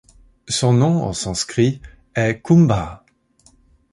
Son nom en sanskrit est kumbha.